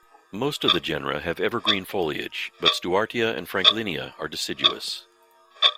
Most of the genera have evergreen foliage, but "Stewartia" and "Franklinia" are deciduous.